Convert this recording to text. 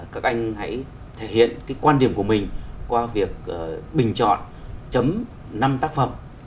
các anh hãy thể hiện cái quan điểm của mình qua việc bình chọn chấm năm tác phẩm